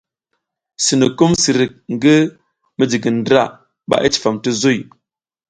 Sinukum sirik ngi midigindra ba i cifam ti zuy.